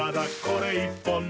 これ１本で」